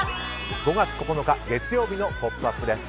５月９日月曜日の「ポップＵＰ！」です。